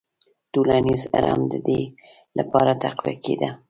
ټولنیز هرم د دې لپاره تقویه کېده.